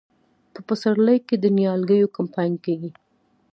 په پسرلي کې د نیالګیو کمپاین کیږي.